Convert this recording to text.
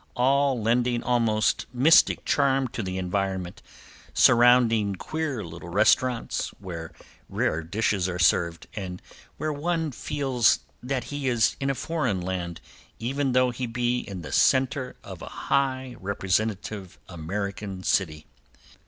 All lending almost mystic charm to the environment surrounding queer little restaurants, where rare dishes are served, and where one feels that he is in foreign land, even though he be in the center of a high representative American city.